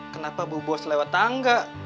kenapa bu bos lewat tangga